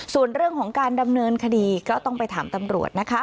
ส่วนเรื่องของการดำเนินคดีก็ต้องไปถามตำรวจนะคะ